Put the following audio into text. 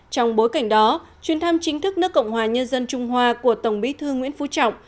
trong bối cảnh đó chuyến thăm chính thức nước cộng hòa nhân dân trung hoa của tổng bí thư nguyễn phú trọng